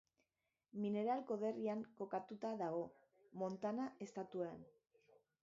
Mineral konderrian kokatuta dago, Montana estatuan.